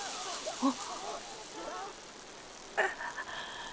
あっ！